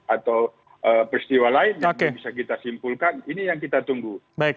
atau peristiwa lain yang bisa kita simpulkan ini yang kita tunggu